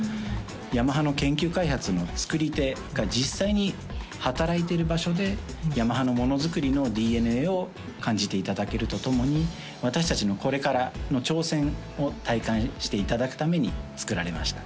ヤマハの研究開発の作り手が実際に働いてる場所でヤマハのものづくりのＤＮＡを感じていただけるとともに私達のこれからの挑戦を体感していただくためにつくられました